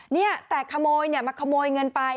เนี่ยแต่ขโมยเนี่ยมาขโมยเงินไป